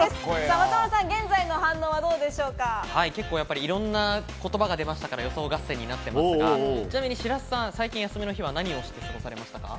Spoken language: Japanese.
松丸さん、現在の反応はいろんな言葉が出ましたから予想合戦になってますが、白洲さん、最近の休みの日は何をして過ごされていますか？